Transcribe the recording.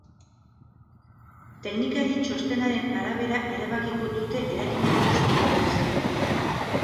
Teknikarien txostenaren arabera erabakiko dute eraikina hustu edo ez.